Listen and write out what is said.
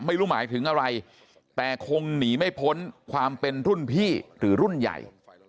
ไม่รู้หมายถึงอะไรแต่คงหนีไม่พ้นความเป็นรุ่นพี่หรือรุ่นใหญ่